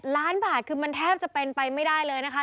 ล้านบาทคือมันแทบจะเป็นไปไม่ได้เลยนะคะ